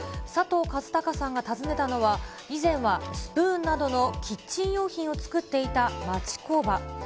佐藤和孝さんが訪ねたのは、以前はスプーンなどのキッチン用品を作っていた町工場。